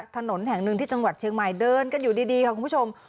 ถนนแห่งหนึ่งที่จังหวัดเชียงใหม่เดินกันอยู่ดีค่ะคุณผู้ชม